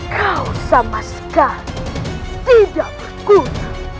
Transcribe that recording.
kau dan sekarang tidak berguna